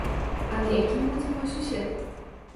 А на якім будзе мой сусед?